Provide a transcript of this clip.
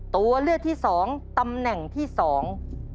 ตัวเลือกที่สองตำแหน่งที่สอง